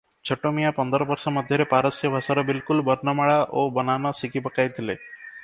ଛୋଟମିଆଁ ପନ୍ଦର ବର୍ଷ ମଧ୍ୟରେ ପାରସ୍ୟ ଭାଷାର ବିଲକୁଲ ବର୍ଣ୍ଣମାଳା ଓ ବନାନ ଶିଖିପକାଇଥିଲେ ।